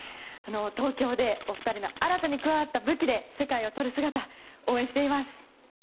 東京で、お二人の新たに加わった武器で世界を取る姿応援しています。